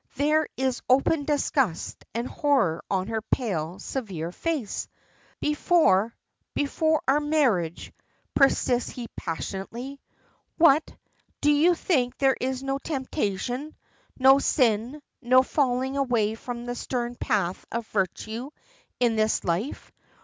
There is open disgust and horror on her pale, severe face. "Before, before our marriage," persists he passionately. "What! do you think there is no temptation no sin no falling away from the stern path of virtue in this life?